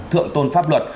thượng tôn pháp luật